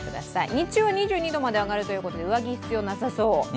日中は２２度まで上がるということで、上着必要なさそう。